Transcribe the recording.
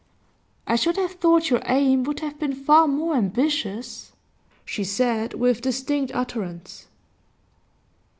'I should have thought your aim would have been far more ambitious,' she said, with distinct utterance.